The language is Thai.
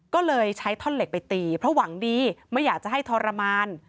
ก็เลยใช้ท่อนเหล็กไปตีเพราะหวังดีไม่อยากจะให้ทรมาน